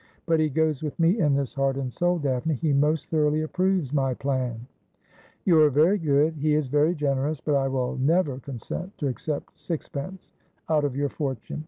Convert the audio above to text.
But he goes with me in this heart and soul, Daphne ; he most thoroughly approves my plan.' ' You are very good — he is very generous— but I will never consent to accept sixpence out of your fortune.